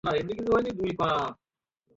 কেউ যেন না জানে।